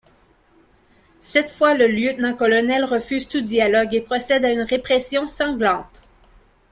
Cette fois, le lieutenant-colonel refuse tout dialogue et procède à une répression sanglante.